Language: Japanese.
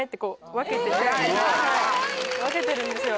分けてるんですよ